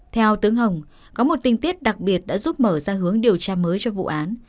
theo tướng hồng có một tình tiết đặc biệt đã giúp mở ra hướng điều tra mới cho vụ án